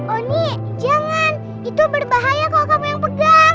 oni jangan itu berbahaya kalau kamu yang pegang